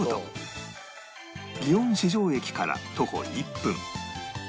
園四条駅から徒歩１分